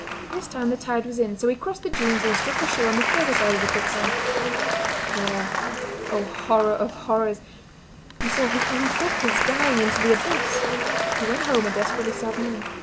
This time the tide was in, so he crossed the dunes and struck the shore on the further side of the quicksand. There, oh, horror of horrors! he saw his own footprints dying into the abyss! He went home a desperately sad man.